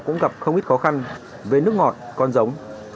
cũng gặp không ít khó khăn về nước ngọt con giống